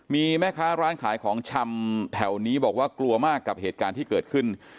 มีแม่ค้าร้านขายของชำแถวนี้บอกว่ากลัวมากกับเหตุการณ์ที่เกิดขึ้น